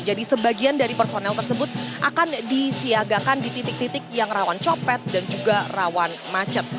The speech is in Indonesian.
jadi sebagian dari personel tersebut akan disiagakan di titik titik yang rawan copet dan juga rawan macet